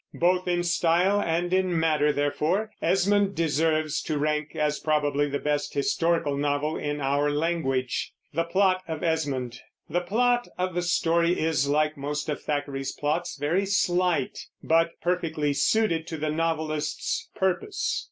Both in style and in matter, therefore, Esmond deserves to rank as probably the best historical novel in our language. The plot of the story is, like most of Thackeray's plots, very slight, but perfectly suited to the novelist's purpose.